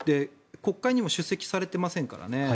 国会にも出席されてませんからね。